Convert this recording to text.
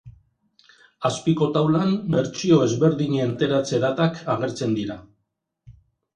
Azpiko taulan bertsio ezberdinen ateratze datak agertzen dira.